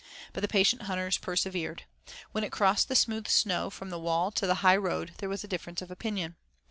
But the patient hunters persevered. When it crossed the smooth snow from the wall to the high road there was a difference of opinion.